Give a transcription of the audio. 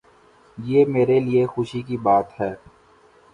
یہ میرے لیے خوشی کی بات ہے۔